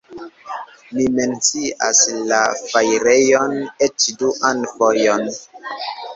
Vi mencias la fajrejon eĉ duan fojon.